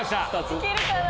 行けるかな？